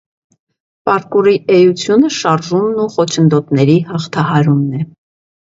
Պարկուրի էությունը շարժումն ու խոչընդոտների հաղթահարումն է։